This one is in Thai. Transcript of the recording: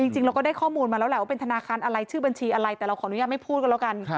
จริงเราก็ได้ข้อมูลมาว่าเป็นธนาคารอะไรชื่อบัญชีอะไรแต่เรานุยการไม่พูดกันแล้วกัน